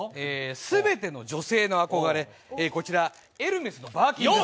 全ての女性の憧れ、こちら、エルメスのバーキンです。